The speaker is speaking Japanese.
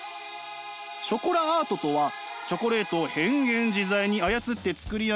ショコラアートとはチョコレートを変幻自在に操って作り上げる